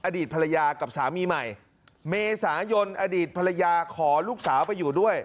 อดีตภรรยากับสามีใหม่เมษายนอดีตภรรยาขอลูกสาวไปอยู่ด้วย